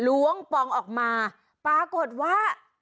้วงปองออกมาปรากฏว่า